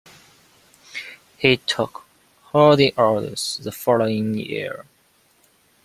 He took Holy Orders the following year.